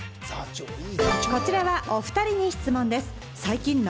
こちらは、おふたりに質問です。